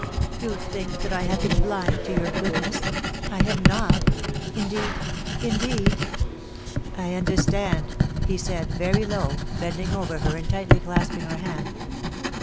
. You think that I have been blind to your goodness — I have not — indeed — in deed ..'* I understand,' he said, very low, bending over her and tightly clasping her hand.